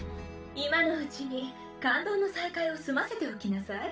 今のうちに感動の再会を済ませておきなさい。